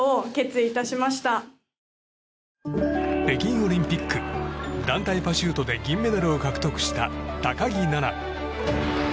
北京オリンピック団体パシュートで銀メダルを獲得した高木菜那。